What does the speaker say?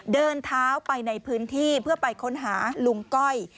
เดินเท้าไปในพื้นที่เพื่อไปค้นหาลุงก้อย